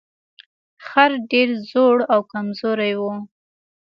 خر ډیر زوړ او کمزوری و.